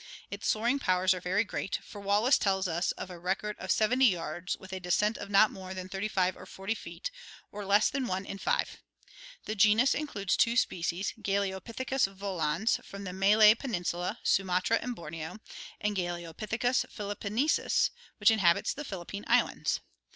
Its soaring powers are very great, for Wallace tells us of a record of 70 yards with a descent of not more than 35 or 40 feet, or less than one in five. The genus includes two species: Galeopithecus volans, from the Malay Penin sula, Sumatra, and Borneo, and G. pkilippinensis, which inhabits the Philippine Islands.